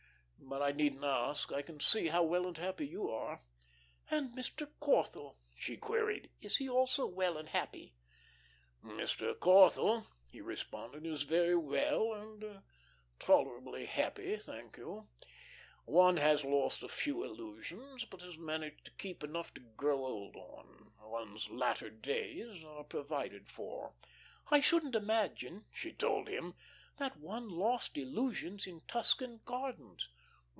But I needn't ask; I can see how well and happy you are." "And Mr. Corthell," she queried, "is also well and happy?" "Mr. Corthell," he responded, "is very well, and tolerably happy, thank you. One has lost a few illusions, but has managed to keep enough to grow old on. One's latter days are provided for." "I shouldn't imagine," she told him, "that one lost illusions in Tuscan gardens."